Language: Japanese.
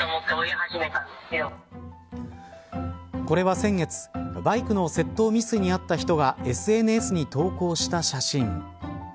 これは先月バイクの窃盗未遂に遭った人がＳＮＳに投稿した写真。